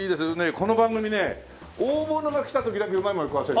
この番組ね大物が来た時だけうまいもの食わせるんですよ。